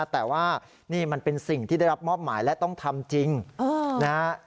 แต่ว่านี่มันเป็นสิ่งที่ได้รับมอบหมายและต้องทำจริงนะฮะ